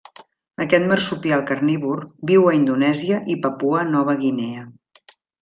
Aquest marsupial carnívor viu a Indonèsia i Papua Nova Guinea.